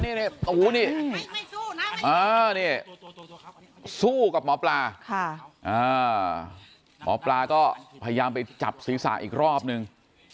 นี่สู้กับหมอปลาหมอปลาก็พยายามไปจับศีรษะอีกรอบนึง